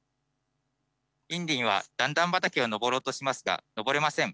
インディンは段々畑を上ろうとしますが上れません。